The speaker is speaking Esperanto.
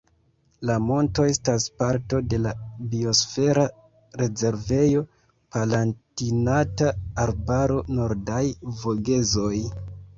La monto estas parto de la biosfera rezervejo Palatinata Arbaro-Nordaj Vogezoj.